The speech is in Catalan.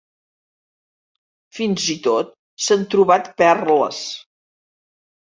Fins i tot s’han trobat perles.